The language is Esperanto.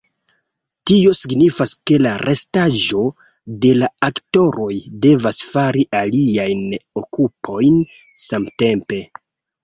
Tio signifas ke la restaĵo de la aktoroj devas fari aliajn okupojn samtempe.